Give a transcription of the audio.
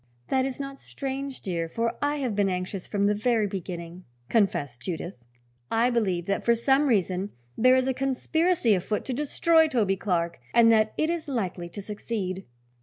"That is not strange, dear, for I have been anxious from the very beginning," confessed Judith. "I believe that for some reason there is a conspiracy afoot to destroy Toby Clark, and that it is likely to succeed."